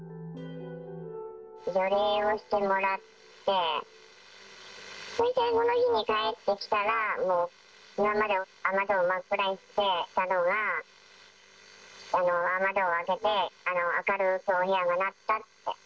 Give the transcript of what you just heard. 除霊をしてもらって、その日に帰ってきたら、もう、今まで雨戸を真っ暗にしてたのが、雨戸を開けて、明るく、お部屋がなったって。